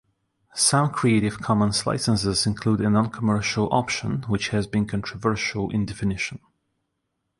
Some Creative Commons licenses include a "non-commercial" option, which has been controversial in definition.